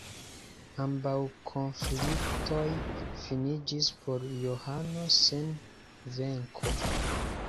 Ambaŭ konfliktoj finiĝis por Johano sen venko.